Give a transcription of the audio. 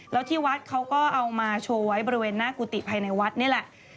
แล้วที่วัดเขาก็เอามาโชว์ไว้บริเวณหน้ากุฏิภายในวัดนี่แหละ